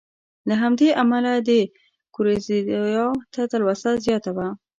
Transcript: له همدې امله د ده ګورېزیا ته تلوسه زیاته وه.